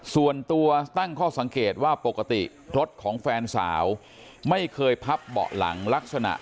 ส่วนตัวตั้งข้อสังเกตว่าปกติรถของแฟนสาวไม่เคยพับเบาะหลังลักษณะ